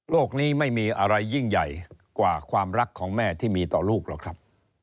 นี้ไม่มีอะไรยิ่งใหญ่กว่าความรักของแม่ที่มีต่อลูกหรอกครับ